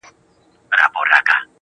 زۀ نوروز هم تر اختره زمزمه کړم